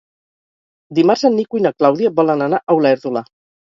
Dimarts en Nico i na Clàudia volen anar a Olèrdola.